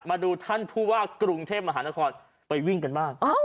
มาดูท่านผู้ว่ากรุงเทพมหานครไปวิ่งกันบ้าง